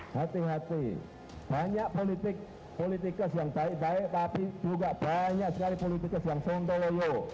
hati hati banyak politik politikus yang baik baik tapi juga banyak sekali politikus yang sontoloyo